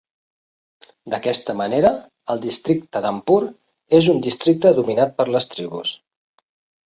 D'aquesta manera, el districte d'Anuppur és un districte dominat per les tribus.